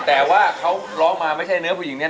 แต่ว่าเขาร้องมาไม่ใช่เนื้อผู้หญิงเนี่ย